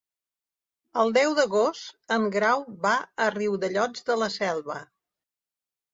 El deu d'agost en Grau va a Riudellots de la Selva.